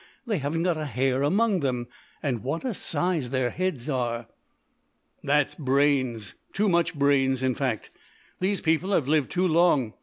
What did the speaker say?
They haven't got a hair among them and what a size their heads are!" "That's brains too much brains, in fact. These people have lived too long.